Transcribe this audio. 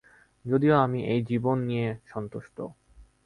যদিও আমি এই জীবন নিয়ে সন্তুষ্ট।